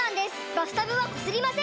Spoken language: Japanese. バスタブはこすりません！